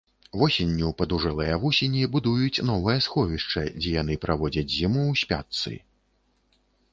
Восенню падужэлыя вусені будуюць новае сховішча, дзе яны праводзяць зіму ў спячцы.